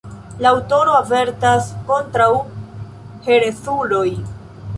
La aŭtoro avertas kontraŭ herezuloj.